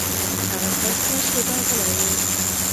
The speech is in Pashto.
هغه ښایسته شېبه غلی و.